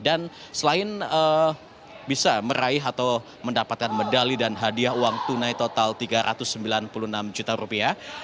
dan selain bisa meraih atau mendapatkan medali dan hadiah uang tunai total tiga ratus sembilan puluh enam juta rupiah